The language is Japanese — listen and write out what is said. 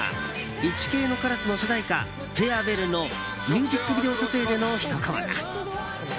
「イチケイのカラス」の主題歌「Ｆａｒｅｗｅｌｌ」のミュージックビデオ撮影でのひとコマだ。